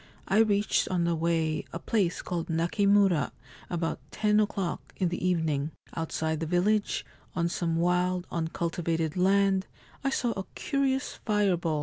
I reached on the way a place called Nakimura about ten o'clock in the evening. Outside the village, on some wild uncultivated land, I saw a curious fireball.